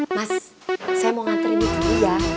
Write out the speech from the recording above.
mas saya mau nganterin ibu dulu ya